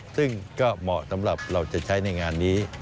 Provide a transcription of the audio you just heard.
ซึ่งก็เหมาะสำหรับเราจะใช้ในงานนี้